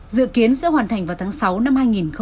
dự kiến sẽ hoàn thành vào tháng sáu năm hai nghìn hai mươi